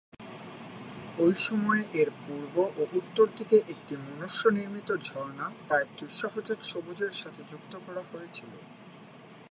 ঐ সময়ে এর পূর্ব ও উত্তরদিকে একটি মনুষ্য-নির্মিত ঝর্ণা পার্কটির সহজাত সবুজের সাথে যুক্ত করা হয়েছিল।